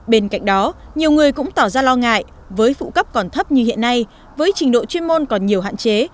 bên cạnh đó nhiều người cũng tỏ ra lo ngại với phụ cấp còn thấp như hiện nay với trình độ chuyên môn còn nhiều hạn chế